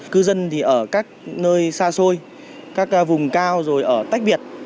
cư dân thì ở các nơi xa xôi các vùng cao rồi ở tách biệt